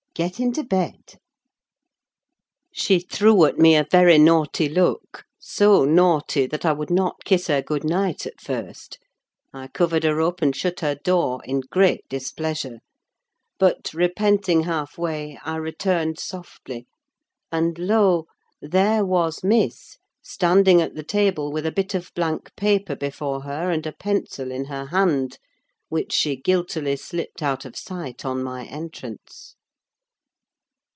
Get into bed." She threw at me a very naughty look, so naughty that I would not kiss her good night at first: I covered her up, and shut her door, in great displeasure; but, repenting half way, I returned softly, and lo! there was Miss standing at the table with a bit of blank paper before her and a pencil in her hand, which she guiltily slipped out of sight on my entrance.